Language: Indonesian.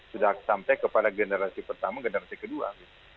sudah sampai kepada generasi pertama generasi kedua